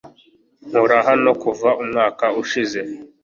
Nkora hano kuva umwaka ushize